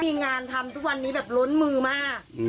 มีงานทำทุกวันนี้แบบล้นมือมาก